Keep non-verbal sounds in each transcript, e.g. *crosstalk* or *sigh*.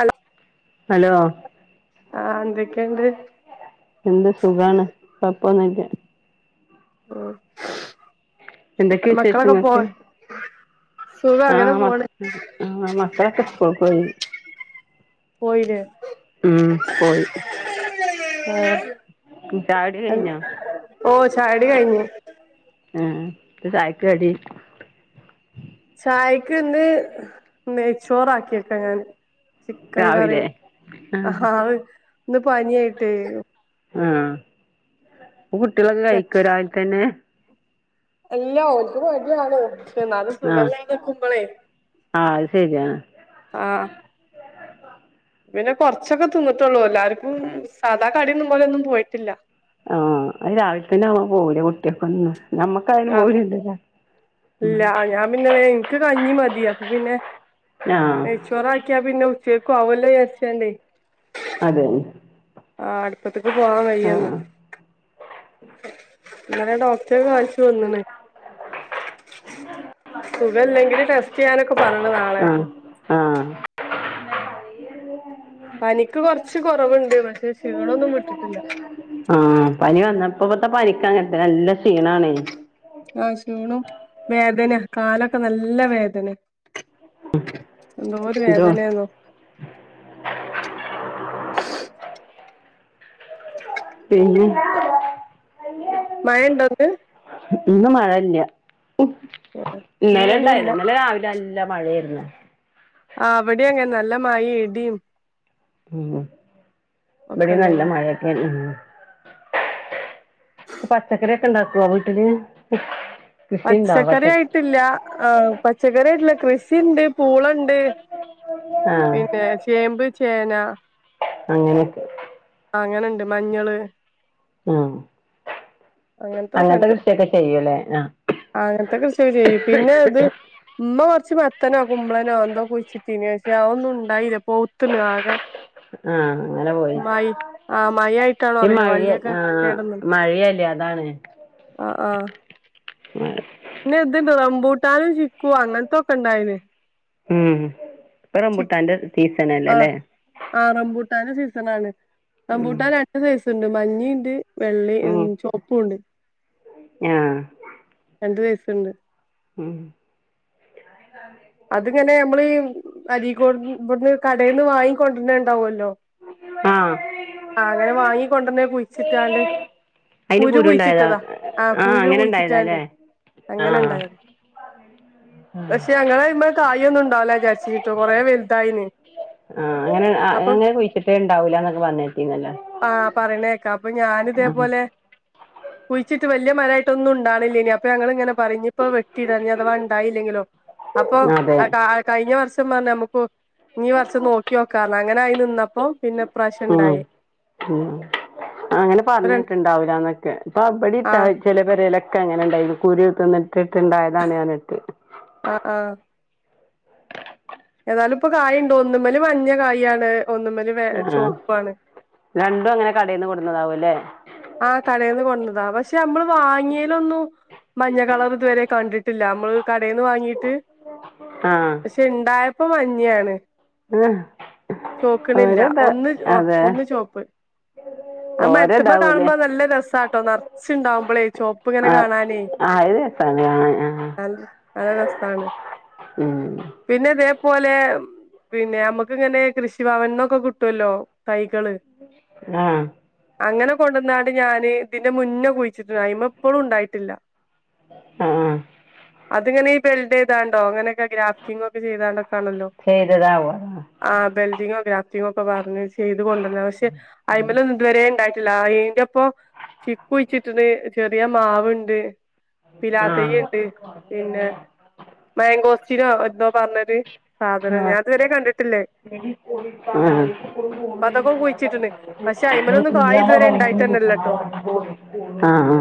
അ *inaudible* hello ആഹ എന്തക്കെണ്ട് എന്ത് സുഖാണ് കുഴപ്പമൊന്നുമില്ല ആഹ എ ന്തൊക്കെ വിശേഷങ്ങൾ പോ സുഖം അങ്ങനെ പോകുന്നു ആഹ മക്കളൊക്കെ സ്കൂളിൽ പോയി പോയില്ലേ ഉം പോയി ആഹ ചാകുടി കഴിഞ്ഞോ ഓ ചായകുടി കഴിഞ്ഞു ആഹ എന്താ ചായക്ക് കടി ചായക്ക് ഇന്ന് നെയ്ച്ചോറ ഉണ്ടാക്കി ഞാൻ ചിക്കൻ കറി രാവിലെ ആഹ് ഹഹ ഇന്ന് പനി ആയിട്ട് ആഹ ഹ് കുട്ട്യോളൊക്കെ കഴിക്കോ രാവിൽ തന്നെ ഇല്ല ഓൾക്ക് മടിയാണ് *unintelligible* അത് ആഹ് സുഖല്ലത നിക്കുമ്പോളേ ആഹ് അത് ശരിയാ ആഹ പിന്നെ കൊറച്ചൊക്കെ തിന്നിട്ടുള്ളൂ എല്ലാർക്കും സാധാ കടി എന്ന് പോലെ ഒന്നും പോയിട്ടില്ല. ആഹ അത് രാവിലത്ത തന്നെ ആവാൻ *unintelligible* കുട്ടിയൊക്കെ ഒന്നു ആ ഇല്ല ഞാൻ പിന്നെനിക്ക് കഞ്ഞി മതി അപ്പ പിന്നെ ആഹ് നെയ്ചോറ ആക്കിയാ പിന്നെ *unintelligible* അതെ. ആഅടുപ്പത്തേക്ക് പോവാൻ കയന്ന്. ആഹ് ഇടെ ഡോക്ടർ കാണിച്ചു വന്നണ്. *unintelligible* സുഖ ഇല്ലെങ്കിലും ടെസ്റ്റ് ചെയ്യാനൊക്കെ പറണ നാളെ ആഹ് ആഹ് പനിക്ക് കൊറച്ച് കൊറവുണ്ട് പക്ഷെ ഷീണോന്നും വിട്ടിട്ടില്ല. ഇപ്പപ്പത്തെ പനിക്ക് അങ്ങനത്തെ നല്ല ക്ഷീണണേ. ആ ഷീണും വേദന കാലൊക്കെ നല്ല വേദന. എന്തപോ ഒരു എന്തോ വേദനയാന്നോ. *unintelligible* പിന്നെ മഴയുണ്ടോ ഇന്ന്? ഇന്ന് മഴയില്ലന്നല ആഹ് ഇന്ന് ഇവിടേം ഉണ്ടായില്ല ഇല്ല ഇന്നലെ രാവിലെ അല്ല മഴയരുന്നു. ആ അവിടെ അങ്ങെ നല്ല മഴയുംഇടിയും. ഉ ഇവിടെ നല്ല ഇണ്ടായിന് മഴയൊക്കെ ഉം. പച്ചക്കറി ഒക്കെ ഉണ്ടാക്കുമോ വീട്ടിൽ? പച്ചക്കറി ആയിട്ടില്ല ആ പച്ചക്കറി ആയിട്ടില്ല കൃഷിണ്ട് പൂളുണ്ട്. ആഹ് പിന്നെ ചേമ്പ് ചേന അങ്ങനെയൊക്കെ. ആ അങ്ങനെണ്ട് മഞ്ഞള് ഉ അങ്ങനത്തെ അങ്ങനത്തൊക്കെണ്ട് കൃഷിയൊക്കെ ചെയ്യൂല്ലേ. ആഹ് അങ്ങനത്തെ കൃഷിയൊക്കെ ചെയ്യും പിന്നെ അത് ഉമ്മ കുറച്ച് പത്തനോ കുമ്പളനോ എന്തോ കുഴിച്ചിട്ടിനെ പക്ഷേ ആ ഒന്നും ഉണ്ടായില്ല പോത്തന ആകെ ആഹ് അങ്ങനെ പോയി മൈ ആഹ മൈ ആയിട്ടാണോ ഈ അറിയില്ലോ മഴ വള്ളിയൊക്കെ ആഹ് കേടന്ന മഴയല്ലേ ആഹ ആഹ ആ പിന്നെ എത് റംബൂട്ടാനും ചിക്കുവ അങ്ങനത്തൊക്കെ ഇണ്ടായിന്. ഉം ഇപ്പം റാമ്പുട്ടൻ്റെ സീസൺ അല്ലേല്ലേ? *unintelligible* സീസൺ റമ്പൂട്ടാൻ രണ്ട് സൈസ് ഉണ്ട് മഞ്ഞണ്ട് വെള്ളയും ചോപ്പുണ്ട്. ആഹ. രണ്ട് വയസുണ്ട്. ഉം. അതിങ്ങനെ നമ്മൾ അരി ഇവിടുന്ന് കടയിൽന്ന് വാങ്ങിക്ക കൊണ്ടിരന്നുണ്ടാവുമല്ലോ. ആഹ് ആ അങ്ങനെ വാങ്ങിക്ക കൊണ്ടന്നെ കുഴിച്ചിട്ടാണ്ട് അയിന് കുരു കുരുണ്ടായതാ കുഴിച്ചിട്ടതാ ആഹ ആഹ് കുരു അങ്ങനെ ഇണ്ടായതാല്ലേ കുഴിച്ചിട്ടാല്ലേ അങ്ങനെ ആഹ് ഇണ്ടായത പക്ഷെ ഞങ്ങള് ഇമ്മ കായ ഒന്നും ഇണ്ടാവില്ല ചരിച്ചിട്ടോ കൊറെ വലുതായിന്. ആഹ് അങ്ങനെ അപ്പൊ അങ്ങനെ കുഴിച്ചിട്ടേ ഇണ്ടാവൂലന്നൊക്കെ പറഞ്ഞകേട്ടിനല്ലോ ആഹ് പറയണേക്കാ അപ്പൊ ഞാനിതേപോലെ കുഴിച്ചിട്ട് വലിയ മരമായിട്ട ഒന്നും ഉണ്ടാണില്ലേ ഇനി അപ്പൊ ഞങ്ങ ഇങ്ങനെ പറഞ്ഞ ഇപ്പ വെട്ടി ഇടഞ്ഞ അഥവാ ഉണ്ടായില്ലെങ്കിലോ. അപ്പൊ അതെ കഴിഞ്ഞ വർഷം പറഞ്ഞ നമുക്ക് ഈ വർഷം നോക്കി നോക്കാന്ന് അങ്ങനെ നിന്നപ്പോ പിന്നെ ഇപ്രാവശ്യം ഉ ഇണ്ടായി അങ്ങനെ ആഹ് പറഞ്ഞിട്ടുണ്ടാവലന്നൊക്കെ. ബ്ടിം ആഹ് ചില പരലൊക്കെ അങ്ങനെ ഉണ്ടായിത് കുര്യ തന്നി ഇട്ട്ണ്ടായതാണ് ഞാനിട്ട്. ആഹ് ന്നാലും ഇപ്പൊ കായ് ഉണ്ട് ഒന്ന് മഞ്ഞ കായ് ആണ് കായ്ച്ചിട്ടുള്ളത് ഒന്നുമൽ ആഹ് ചുവപ്പ് ആണ് രണ്ടും അങ്ങനെ കടേന്ന് കൊടുന്നതാവൂല്ലേ പക്ഷെ നമ്മള് വാങ്ങിയേലൊന്നും ചുവപ്പാണോ വാങ്ങിയത് ആഹ് ഉണ്ടായപ്പോൾ മഞ്ഞ യാണ് ചോക്ക്ണില്ല ഓരോത് അതെ ഒന്ന് ചുവപ്പ് അഹ് മരത്തിന്മൽ ഓരോതാവൂലേ കാണുമ്പോ നല്ല രസാട്ടോ നിറയേ കാണുമ്പോൾ ചുവപ്പ് ഇങ്ങനെ ആ കാണാൻ ആ ഇത് രസാണ് ആ ആ നല്ല രസാണ് ഉം പിന്നെന്താ പോലെ പിന്നെ നമ്മക്ക് ഇങ്ങനെ കൃഷി ഭവൻനിൽനിന്നൊക്ക കിട്ടുമല്ലോ തൈ ആഹ്. അങ്ങനെ കൊണ്ടന്നാണ്ട് ഞാന് ഇതിന്റെ മുന്നേ കുയിച്ചിട്ടുണ്ട് അതിന്മൽ ഇപ്പോഴും ഉണ്ടായില്ല ആ അതിങ്ങനെ ഈ ബെൽടെയ്താണ്ടൊ അങ്ങനെ ഗ്രാഫ്റ്റിങ്‌ ഒക്കെ ചെയ്താണ്ടക്കാണല്ലോ ആ ബെൽഡിങ്ങൊ, ഗ്രാഫ്റ്റിങ്ങൊ ക്കെ പർ ചെയ്തുകൊണ്ടന്ന പഷേ അയ്മാലൊന്നു ഇതുവരെ ളാഅയിന്റെപ്പൊ ചിക്കുയിച്ചിട്ട്ണ് ചെറിയ മാവുണ്ട്. ആ പിലാതെയ്യ്ണ്ട് പിന്നെ മാങ്കോസ്റ്റിനോ എന്തോ പറഞ്ഞത്. സാധനം ഞാൻ ഇതുവരെ കണ്ടിട്ടില്ലഹ്. ആഹ്. അപ്പൊ അതൊക്കെ കുഴിച്ചിട്ടുണ്ട് പക്ഷെ അയിമലൊന്നും കായ് ഇതുവരെ ഉണ്ടായിട്ടന്നെല്ലട്ടോ ആ ഹാ.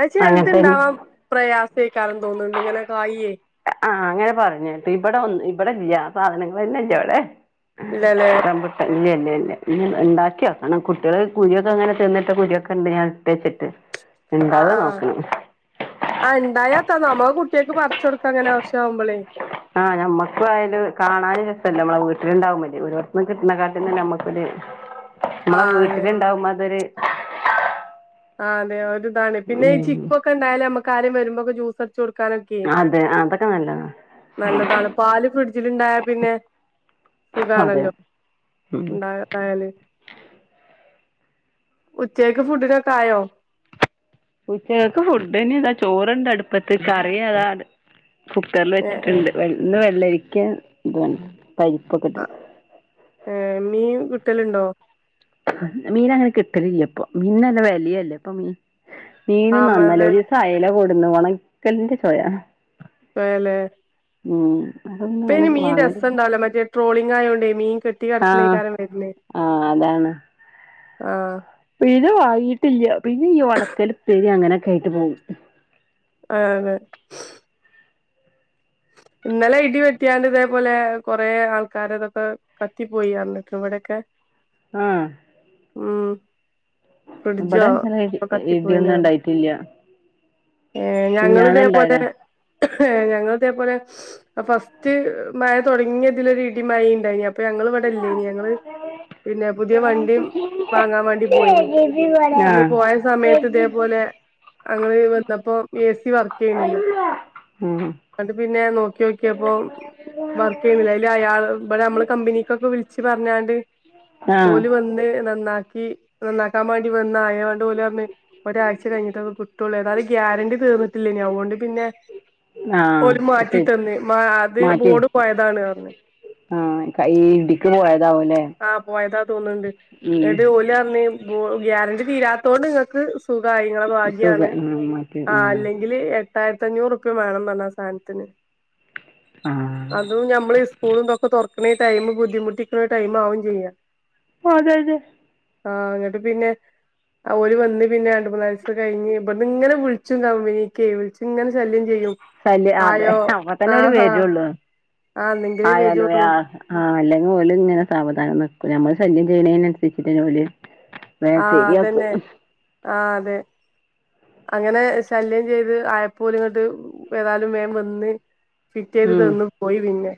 അഹ് ചെല്ത് ഇണ്ടാവാം പ്രയാസേക്കാരം തോന്നുണ്ട് ഇങ്ങനെ കായേ. ആഹ് അങ്ങനെ പറഞ്ഞേട്ട് ഇബടെ ഒൻ ഇബടല്ല്യ സാധനങ്ങളെന്നല്ല്യ വടെ ഹ്. ഇല്ലല്ലേ *unintelligible* ഇല്ല്യ ല്ല ഇഞ് ഇണ്ടാക്കിയോക്കണം കുട്ടിള് കുരൊക്കെങ്ങനെ തിന്ന്ട്ട കുരുഒക്കെണ്ട് ഞാൻ ഇട്ത്തെച്ച്ട്ട്. ആ ആഹ് ആ ഇണ്ടായാത്ത നമ്മളെ കുട്ടിയാക്ക് പറച്ചൊടുക്കാ ങ്ങനെ ആശ്യ ആ ഞമ്മക്കു ആയാലും കാണാന് *unintelligible* നമ്മളെ വീട്ടിലുണ്ടാവുമ്പല്ല്യെ ഒരോരുത്ത്ന്ന് കിട്ട്നക്കാട്ടി ന്നെ നമ്മക്കി. *unintelligible* ആ മ്മളെ വീട്ടില് അതെ ഇണ്ടാവുമ്പോ അതൊരു. ആ അതെ ഒരിതാണ് പിന്നെ ഈ ഉം ചിക്കൊക്കെ ഇണ്ടായാലേ നമ്മക്ക് ആരേം വരുമ്പോക്കെ ജൂസ് അതെ ആ അതൊക്കെ ന നല്ലതാണ് പാല് ഫ്രിഡ്ജിൽണ്ടായ പിന്നെ. അതെ സുകാണല്ലോ ഉം ഇണ്ടായതായാല്. ഉച്ചേക്ക് ഫുഡിനക്കായോ? ഉച്ചക്ക് ഫുഡിന്ള്ള ചോറ്ണ്ട് അടുപ്പത്ത് കറി അതാ കുക്കറിൽ ഏ ഏ വെച്ചിട്ടുണ്ട് വെ ഇന്ന് വെള്ളരിക്കെൻ ഇതുആണ്. പരിപ്പക്കെട്ടാണ്ട്. ഏഹ് മീൻ കിട്ടലുണ്ടോ? നല്ല മീൻ അങ്ങനെ കിട്ടലില്ല പ്പൊ മീൻന്ല്ല വെലിയല്ലെപ്പൊ മീൻ ആ മീനും നന്നല്ല അതെ ഒരീസം അയല കൊടുന്നു ഒണക്കലിന്റെ ചൊയ. ആ ലെ ഉം. അതൊന്നും പിന്നെ അങ്ങനെ മീ വാങ്ങലില്ല രസംണ്ടാവൂല മറ്റേ ട്രോളിങ്ങായോണ്ടേ മീ ആഹ് ആ അതാണ് ആ പിന്നെ വാങ്ങി ട്ടില്ല പിന്നെ ഈ ഒണക്കൽ, പ്പേരി അങ്ങനൊക്കെ ആയിട്ട് പോവും. ആഹ് അതേ *inaudible* ഇന്നലെ ഇടി വെട്ടിയാണ്ട് ഇതേപോലെ കൊറെേ ആൾക്കാര തൊക്കെ കത്തിപ്പോയി ർഞ്ഞിട്ട് ഇവിടൊക്കെ. ആഹ്. ഉം ഇവിടെ ഫ്രിഡ്ജോ ഇന്നലെ ഇടി കത്തി പോയിന ഇടിയൊന്നും ഉണ്ടായിട്ടില്ല ഏ ഞങ്ങള് മിനിഞ്ഞാന്ന് ഇതേപോലെ ഉണ്ടായതാ ഹ് ഞങ്ങള് ഇതേപോലെ ആ ഫസ്റ്റ് മയ തുടങ്ങിയതിലൊര് ഇടിം മയിം ണ്ടേനി അപ്പൊ ഞങ്ങൾ ഇവിടെ ഇല്ലേനി ഞങ്ങള്. പിന്നെ പുത്യായ ആഹ് വണ്ടിം വാങ്ങാം വാണ്ടി പോയിനി അന്ന് പോയ സമയത്ത് തേപോലെ അങ്ങള് വന്നപ്പോ ഈസ് ഉം *unintelligible* പിന്നെ നോക്കി നോക്കിയപ്പൊ വർക്ക് ചെയ്യുന്നില്ല അയ്ല് അയാൾ ഇബടെ നമ്മള് കമ്പനിക്കൊക്കെ വിളിച്ച് പറഞ്ഞാണ്ട് ആഹ് ഓല് വന്ന്‌ നന്നാക്കി നന്നാക്കാൻ വേണ്ടി വന്നായോണ്ട് ഓലർഞ്ഞ് ഒരാഴ്ച കഴിഞ്ഞിട്ട് കിട്ടുള്ളൂ ഏതായാലും ഗ്യാരണ്ടി തീ *unintelligible* അതുകൊണ്ട് പിന്നെ ആഹ് ഓല് മാറ്റി ശരി തന്ന്‌ മാ അത് മാറ്റി ബോഡ് പോയതാണ് അർഞ് ആഹ് കൈ ഇടി ആഹ് പോയതാ തോന്നുണ്ട് ഉം എന്നട്ട് ഓലറിഞ് *unintelligible* ഗ്യാരണ്ടി തീരാത്തോണ്ട് നിങ്ങക്ക് സുഖായി നിങ്ങള സുഖ ഭാഗ്യാണ് ആഹ് മാറ്റി ആ ആഹ് അല്ലെങ്കിൽ എ പത്തായിരത്തി അഞ്ഞൂറ് റുപ്യ വേണം പറഞ്ഞു ആ സാധനത്തിന് ആഹ് അതും നമ്മളീ സ്കൂള്ന്തൊക്കെ തുറക്കണ ഈ ടൈമ് ബുദ്ധിമുട്ടി *unintelligible* ടൈം ആവും ചെയ്യാം അതെ അതെ ആഹ് ഇന്നട്ട് പിന്നെ ഓല് വന്ന് പിന്നെ രണ്ട് മൂന്നാലിസം കഴിഞ് ഇബട്ന്ന് ഇങ്ങനെ വിളിച്ചും കമ്പനിക്ക് വിളിച്ച് ഇങ്ങനെ ശല്യ *unintelligible* അതെ അപ്പ തന്നെ ഓരു ആഹാ വെരുള്ളൂ ആഹ് ഇന്നെങ്കിലേ വെരൊള്ളൂ ആയാലോയാ ആ അല്ലെങ്കി ഓല്ങ്ങനെ സാവധാനം നിക്കും ഞമ്മള് ശല്യം ചെയ്യന്നനുസരിച്ചിട്ട് ഓല് വേം ആഹ് ശരിയാക്കും അതന്നെ ആഹ് അതെ അങ്ങനെ ശല്യം ചെയ്ത് ആയപ്പോലും ഇങ്ങട്ട് ഏതായാലും വേ വന്ന് ഫിറ്റ് ചെയ്ത് ഉം തന്നു പോയി പിന്നെ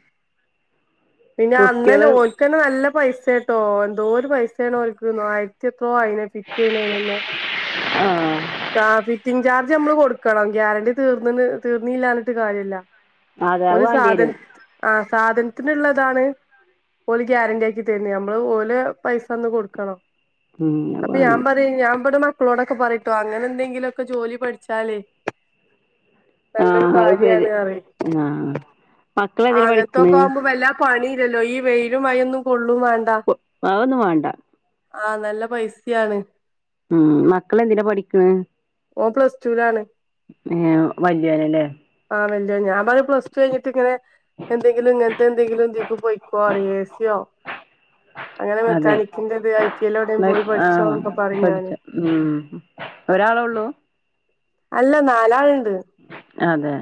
പിന്നെ അന്നന്നേ കുട്ടികള് ഓൽക്കന്നെ നല്ല പൈസെ ട്ടോ എന്തോരു പൈസയാണ് ഓൽക്ക്ന്നോ ആയിരത്തി *unintelligible* ഫിറ്റ് ചെയ്യണെണല്ലേ ആ ഫിറ്റിംഗ് ചാർജ് നമ്മള് കൊടുക്കണം ഗ്യാരണ്ടി തീർന്നണ് തീർന്നില്ല പറഞ്ഞിട്ട് കാര്യല്ല അതെ അത് ഒരു സാധന വേണ്ടിവരും ആഹ് സാധനത്തിനുള്ളതാണ് ഓല് ഗ്യാരണ്ടി ആക്കി തര്ണ് നമ്മള് ഓലെ പൈസ അന്ന് കൊടുക്കണം. ഉം അത് അപ്പൊ ഞാൻ വേണം പറയാ ഞാൻ ഇവിടെ മക്കളോടൊക്കെ പറയിട്ടോ അങ്ങനെ എന്തെങ്കിലുംക്കെ ജോലി പഠിച്ചാലേ ആ നല്ലൊരു അത് കാര്യാണ് ശരി അറിം ആ മക്കളെന്തിനാ പഠിക്കണ് ആങ്ങനത്തൊക്കെ ആവുമ്പോ വല്ലാ പണയില്ലല്ലോ ഈ വെയിലും, മയൊന്നും കൊള്ള *unintelligible* അതൊന്നും വേണ്ട ആഹ് നല്ല പൈസയാണ് ഉം മക്കള് എന്തിനാ പഠിക്ക്ണ് ഓൻ പ്ലസ് ടൂ ലാണ് ഏ ആ *unintelligible* വ്ല്യ യോൻ ഞാൻപറ പ്ലസ് ടു കഴിഞ്ഞ്ട്ട് ഇങ്ങനെ. എന്തെങ്കിലും ഇങ്ങനത്തെ എന്തെങ്കിലും ന്തീക്ക് പൊയ്ക്കോ എസിയോ. അതെ പോയി ആ പഠിച്ചോന്നൊക്കെ പറയും പഠിച്ച ഞാന് ഉ ഒരാളെ ള്ളു. ഹലോ അല്ല നാലാള്ണ്ട്. അതെ.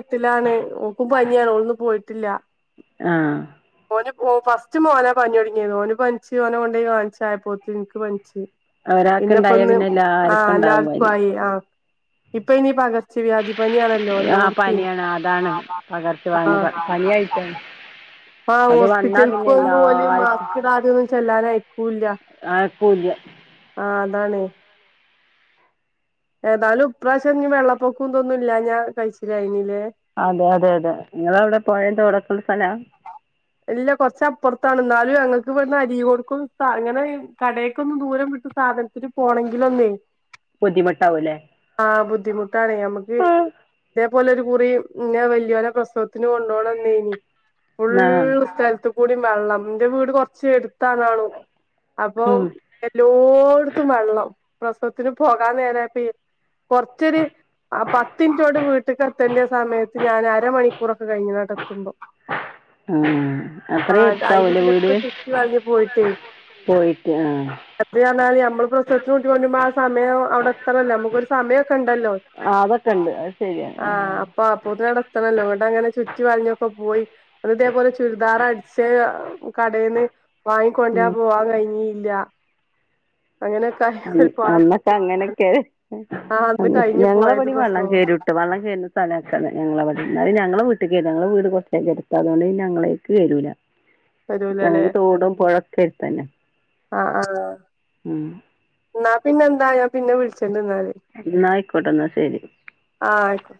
എട്ടിലാണ് ഓക്കും പനിയാണ് ഓളൊന്നും പോയിട്ടില്ല ആഹ ഓ ഫസ്റ്റ് മോനാ പനി തൊടങ്ങിയത് ഓന് പനിച്ചുഓനെ കൊണ്ടോയി കാണിച്ച് ആയപ്പോത്തി ന് ഇൻക്ക് പനിച്ചു. പിന്നെപ്പ ഒരാൾക്കുണ്ടായാ ഇന്ന് പിന്നെ ആ എല്ലാർക്കും ഉണ്ടാവും എല്ലാവർക്കും പനി ആയി ആഹ ഇപ്പൊ പനി പകർച്ച. വ്യാധിപനിയാണല്ലോ ആ എല്ലോടത്തി പനിയാണ് അതാണ് ആ പകർച്ചവ്യാധി പനിയായിട്ടാണ് ആ അത് വന്നാ പിന്നെ ഹോസ്പിറ്റലക്ക്ഒരു എല്ലാർക്കും വർക്കിടന്ന് ചെല്ലാനായിട്ട് *unintelligible* ആർക്കു ഇല്ല. ആണ്. ഏതായാലും ഈ പ്രാവശ്യം വെള്ളപ്പൊക്കം ഇതൊന്നും ഇല്ലാഞാ കഴിച്ചിലായേനി അതെ അതെ അതെ നിങ്ങളവിടെ പുഴയും തോടക്കെയുള്ള സ്ഥലാ? ഇല്ല കൊറച്ചപ്പുറത്താണ് എന്നാലും ഞങ്ങൾക്ക് ഇവിടുന്ന് അരി കൊടുക്കും അങ്ങനെ കടയൊക്ക ഒന്നും ദൂരം വിട്ട് സാധനത്തിന് പോണെങ്കിലൊന്നേ? ബുദ്ധിമുട്ടാവൂല്ലേ ആ ബുദ്ധിമുട്ടാണ് ഞമ്മക്ക് തുപോലെ ഒരു കുറി ഇന്നെ വലി യോന പ്രസവത്തിന് കൊണ്ടു പോണം ഇനി ആ ഫുള്ള് സ്ഥലത്ത് കൂടി വെള്ളം എന്റെ വീട് കൊറച്ചു എടു ത്താനാണോ അപ്പം ഉം എല്ലോടത്തും വെള്ളം പ്രസവത്തിന് പോകാൻ നേര ആയപ്പ കൊറച്ചൊരു ആ പത്തിഞ്ചോട് വീട്ടിക്ക് എത്തേണ്ട സമയത്ത് ഞാൻ അരമണിക്കൂറൊക്കെ കഴിഞ്ഞ് ഇങ്ങോട് എത്തുമ്പം ആ ആ അത്രയും എടുത്താവൂല്ലേ വീട് അയിലിതിലൊക്കെ ചുറ്റിവളഞ്ഞ് പോയിട്ടേ പോയിട്ട് ആ *unintelligible* സമയം അവിടെ അത്രല്ല നമ്മുക്കൊരു സമയം ങ്ങല്ലോ ആ അതൊക്കെ ഉണ്ട് അത് ശരിയാണ് ആ അപ്പുതുകിടത്തണല്ലോ അങ്ങനെ ചുറ്റി വളഞ്ഞൊക്കെ പോയി അത് ഇതേപോലെ ചുരിദാറ അടിച്ച കടേന്ന് വാങ്ങിക്കൊണ്ട് ഉം പോവാൻ കഴിഞ്ഞില്ല അങ്ങനെയൊക്കെ ആയി ഒരുപാട് അന്നൊക്കെ അങ്ങനൊക്കെ ആ അന്ന് കഴിഞ്ഞു ഞങ്ങളെടെ പോയത് പ്രസവം പെരേവെള്ളംകേറു കോട്ടേ വെള്ളം കേ സ്ഥല ഞങ്ങളവിടെ ഞങ്ങളെ വീട്ടിൽ ങ്ങളങ്ങള് വീട് കുറച്ചേക്ക എത്തതുകൊണ്ട് ഞങ്ങളേക്ക് കേറൂല വരൂലല്ലേ ങ്ങക്ക് തോടുംപുഴയെക്കെ അടുതന്നെ ആ ആ ഉമ്മാക്ക് പിന്നെന്തായ പിന്നെ വിളിച്ച എന്നാ ആയിക്കോട്ടെ എന്നാ ശരി ആആയിക്കോ